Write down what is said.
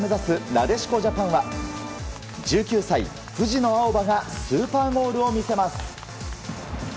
なでしこジャパンは１９歳、藤野あおばがスーパーゴールを見せます。